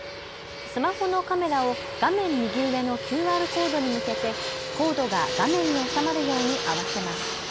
スマホのカメラを画面右上のＱＲコードに向けてコードが画面に収まるように合わせます。